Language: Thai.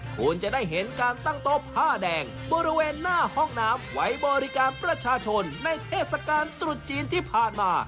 คุณจะได้เห็นการตั้งโต๊ะผ้าแดงบริเวณหน้าห้องน้ำไว้บริการประชาชนในเทศกาลตรุษจีนที่ผ่านมา